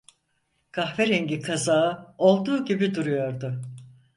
Kahverengi kazağı olduğu gibi duruyordu.